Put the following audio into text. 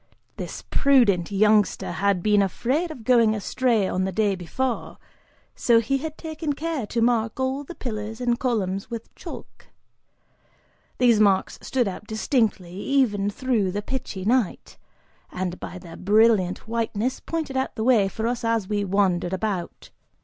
This prudent youngster had been afraid of going astray on the day before, so he had taken care to mark all the pillars and columns with chalk. These marks stood out distinctly, even through the pitchy night, and by their brilliant whiteness pointed out the way for us as we wandered about.